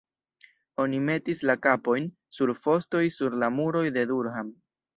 Oni metis la kapojn sur fostoj sur la muroj de Durham.